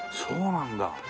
そうなんだ。